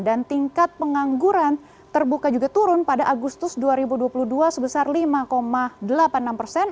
tingkat pengangguran terbuka juga turun pada agustus dua ribu dua puluh dua sebesar lima delapan puluh enam persen